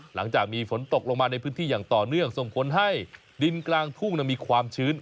หลังจากมีฝนตกลงมาในพื้นที่อย่างต่อเนื่องส่งผลให้ดินกลางทุ่งมีความชื้น